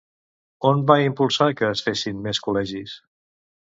On va impulsar que es fessin més col·legis?